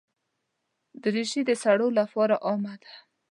دریشي د سړو لپاره عامه ده.